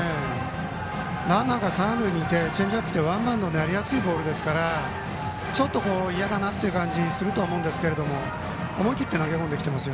ランナーが三塁にいてチェンジアップはワンアウトになりやすいボールですからちょっと嫌だなという感じがすると思いますが思い切って投げ込んできています。